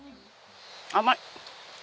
甘い。